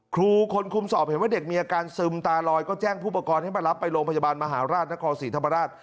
ครูคนคุมสอบเห็นว่าเด็กมีอาการซึมตาลอยก็แจ้งผู้ประกอบให้มารับไปโรงพยาบาลมหาราชนครศรีธรรมราช